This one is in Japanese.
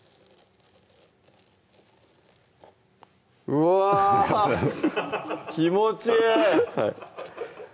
うわ気持ちいい！